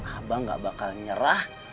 abang gak bakal nyerah